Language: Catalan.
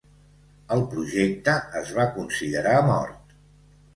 El projecte es va considerar mort.